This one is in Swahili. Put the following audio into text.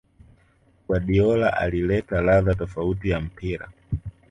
Guardiola alileta ladha tofauti ya mpira